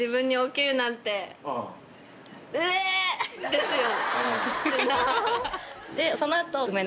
ですよ。